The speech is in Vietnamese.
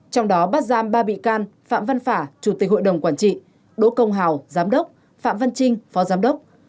trong đó bắt giam ba bị can phạm văn phả chủ tịch hội đồng quản trị đỗ công hào giám đốc phạm văn trinh phó giám đốc